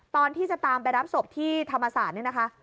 ตอนที่จะตามไปรับศพที่ธรรมศาสตร์นี่นะคะ